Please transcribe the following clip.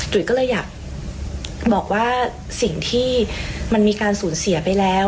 ก็เลยอยากบอกว่าสิ่งที่มันมีการสูญเสียไปแล้ว